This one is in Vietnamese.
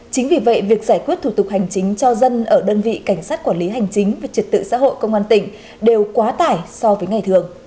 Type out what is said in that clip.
chính vì vậy việc giải quyết thủ tục hành chính cho dân ở đơn vị cảnh sát quản lý hành chính và trật tự xã hội công an tỉnh đều quá tải so với ngày thường